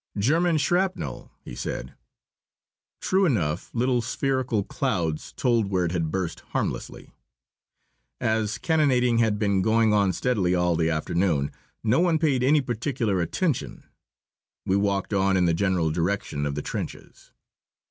"German shrapnel!" he said. True enough, little spherical clouds told where it had burst harmlessly. As cannonading had been going on steadily all the afternoon, no one paid any particular attention. We walked on in the general direction of the trenches.